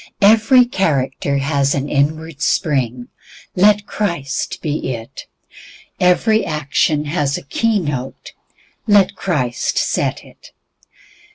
Every character has an inward spring, let Christ be it. Every action has a key note, let Christ set it.